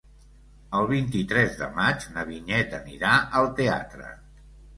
El vint-i-tres de maig na Vinyet anirà al teatre.